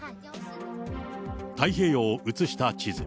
太平洋を映した地図。